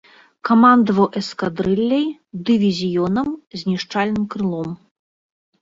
Камандаваў эскадрылляй, дывізіёнам, знішчальным крылом.